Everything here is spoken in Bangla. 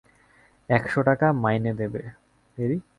একশো টাকা মাইনে দেবে।